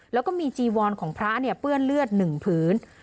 แล้วก็มีจีวอนของพระเปื้อนเลือด๑พื้น